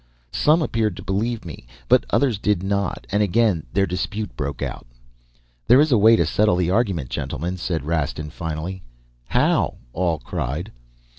Some appeared to believe me but others did not, and again their dispute broke out. "'There is a way to settle the argument, gentlemen,' said Rastin finally. "'How?' all cried.